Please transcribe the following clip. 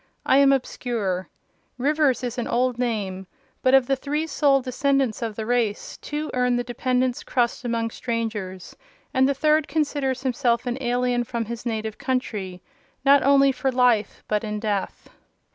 I am obscure: Rivers is an old name; but of the three sole descendants of the race, two earn the dependent's crust among strangers, and the third considers himself an alien from his native country—not only for life, but in death.